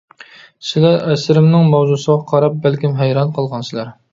سىلەر ئەسىرىمنىڭ ماۋزۇسىغا قاراپ بەلكىم ھەيران قالغانسىلەر.